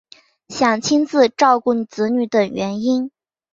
想亲自照顾子女等原因